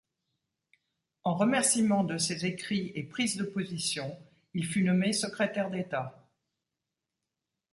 En remerciement de ses écrits et prises de position, il fut nommé secrétaire d'État.